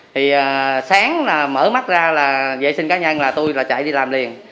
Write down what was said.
thì sáng mở mắt ra là vệ sinh cá nhân là tôi là chạy đi làm liền